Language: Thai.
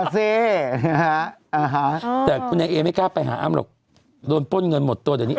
เจอเฝาตังไม่ได้